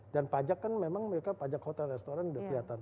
dan pajak kan memang mereka pajak hotel dan restoran sudah kelihatan